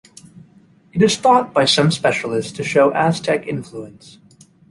It is thought by some specialists to show Aztec influence.